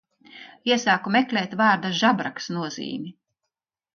Iesāku meklēt vārda žabraks nozīmi.